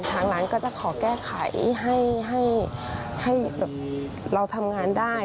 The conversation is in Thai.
ทางร้านก็จะขอแก้ไขให้เราทำงานได้